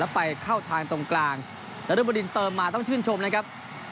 ไปเข้าทางตรงกลางนรบดินเติมมาต้องชื่นชมนะครับ